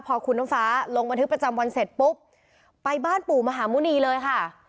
พอคุณน้ำฟ้าลงบันทึกประจำวันเสร็จปุ๊บไปบ้านปู่มหาหมุณีเลยค่ะ